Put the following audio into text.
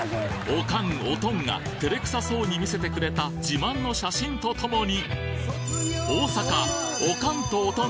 オカンオトンが照れくさそうに見せてくれた自慢の写真と共に！